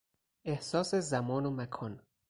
احساس زمان و مکان